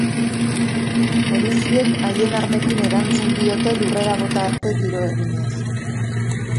Poliziek haien armekin erantzun diote lurrera bota arte tiro eginez.